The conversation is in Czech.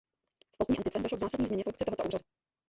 V pozdní antice došlo k zásadní změně funkce tohoto úřadu.